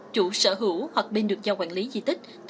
chủ sở hữu hoặc bên được giao quản lý di tích